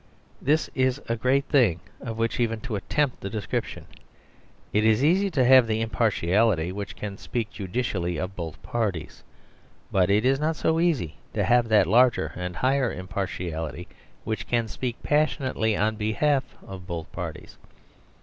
This is a great thing of which even to attempt the description. It is easy to have the impartiality which can speak judicially of both parties, but it is not so easy to have that larger and higher impartiality which can speak passionately on behalf of both parties.